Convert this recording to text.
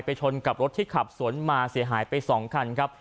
ชนกับรถที่ขับสวนมาเสียหายไป๒คันครับ